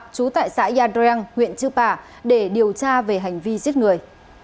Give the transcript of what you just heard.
trú tại xã yadreng huyện chư pả để điều tra về hành vi giết người